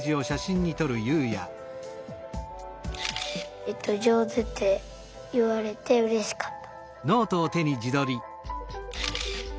えっとじょうずっていわれてうれしかった。